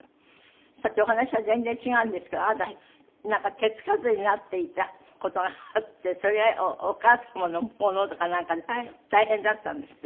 さてお話は全然違うんですけどあなたなんか手付かずになっていた事があってそれお母様のものとかなんかで大変だったんですって？